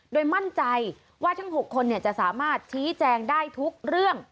โดยมั่นใจว่าทั้ง๖คนจะสามารถชี้แจงได้ทุกเรื่อง